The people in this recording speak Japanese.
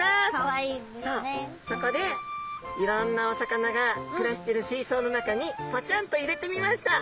そうそこでいろんなお魚が暮らしてる水槽の中にぽちゃんと入れてみました。